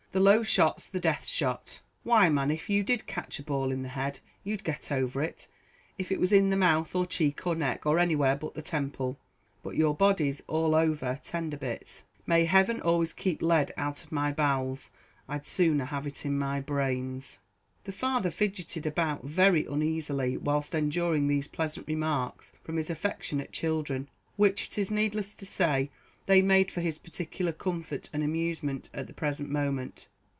"The low shot's the death shot. Why man, if you did catch a ball in the head, you'd get over it if it was in the mouth, or cheek, or neck, or anywhere but the temple; but your body's all over tender bits. May heaven always keep lead out of my bowels I'd sooner have it in my brains." The father fidgetted about very uneasily whilst enduring these pleasant remarks from his affectionate children, which, it is needless to say, they made for his particular comfort and amusement at the present moment.